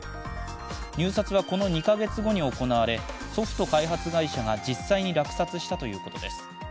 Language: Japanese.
入札は、この２か月後に行われソフト開発会社が実際に落札したということです。